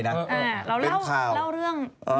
เรามีเป็นข่าวเราเล่าเรื่อง